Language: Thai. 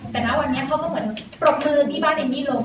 แต่นะวันนี้เขาก็เหมือนปรบมือที่บ้านเอมมี่ลง